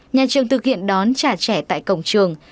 nhà trường thực hiện đón trả trẻ tại cổng trường